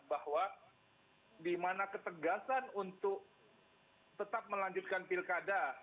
bahwa dimana ketegasan untuk tetap melanjutkan pilkada